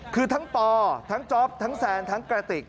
คือทั้งปอทั้งจ๊อปทั้งแซนทั้งกระติก